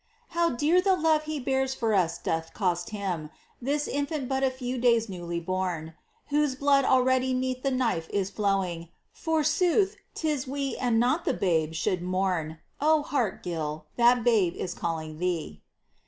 How dear the love He bears for us doth cost Him, This Infant but a few days newly born, Whose blood already 'neath the knife is flowing !— Forsooth, 'tis we and not the Babe should mourn ! Oh hearken, Gil, that Babe is calling thee